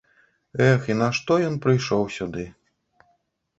Эх, і нашто ён прыйшоў сюды?